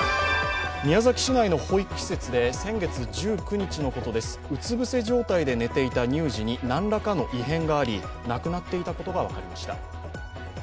宮崎市内の保育施設で先月１９日のことです、うつ伏せ状態で寝ていた乳児に何らかの異変があり、亡くなっていたことが分かりました。